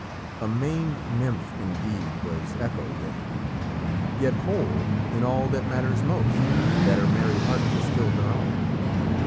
A maimed nymph indeed was Echo then, yet whole in all that matters most, in that her merry heart was still her own.